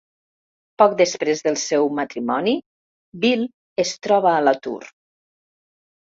Poc després del seu matrimoni, Bill es troba a l'atur.